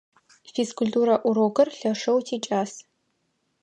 Физкультурэ урокыр лъэшэу тикӏас.